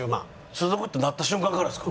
所属ってなった瞬間からですか？